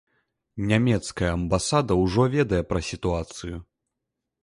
Нямецкая амбасада ўжо ведае пра сітуацыю.